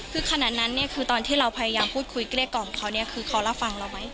คือขนาดนั้นเนี่ยคือตอนที่เราพยายามพูดคุยเกลี้ยกล่อมเขาเนี่ยคือเขารับฟังเราไหม